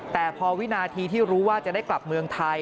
แต่พอวินาทีที่รู้ว่าจะได้กลับเมืองไทย